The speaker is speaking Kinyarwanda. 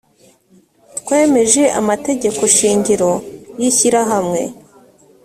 twemeje amategeko shingiro y ishyirahamwe